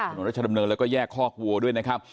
ถนนรัชดำเนินแล้วก็แยกคอกวัวด้วยนะครับ